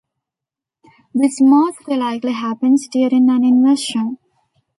This most likely happens during an inversion.